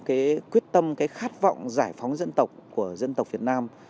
cái quyết tâm cái khát vọng giải phóng dân tộc của dân tộc việt nam